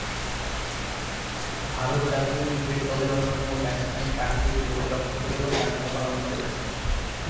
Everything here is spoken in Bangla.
ভারত জাতীয় ক্রিকেট দলের অন্যতম ব্যাটসম্যান কার্তিক উইকেট-রক্ষকেরও দায়িত্ব পালন করে থাকেন।